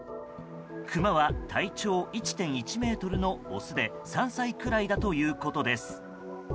クマは体長１．１ｍのオスで３歳くらいだということです。